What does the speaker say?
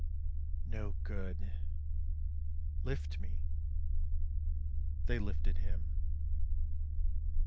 "No good.... Lift me." They lifted him.